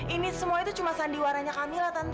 ini semua itu cuma sandiwaranya kami lah